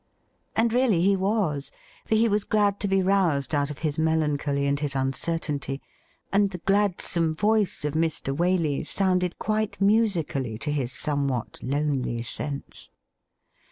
"' And really he was, for he was glad to be roused out of his melancholy and his uncertainty, and the gladsome voice of Mr. Waley sounded quite musically to his somewhat lonely sense.